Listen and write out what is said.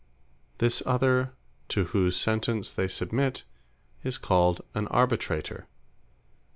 This other, to whose Sentence they submit, is called an ARBITRATOR.